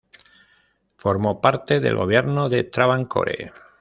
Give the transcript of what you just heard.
Formó parte del gobierno de Travancore.